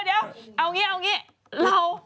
เดี๋ยวเอาอย่างนี้เรา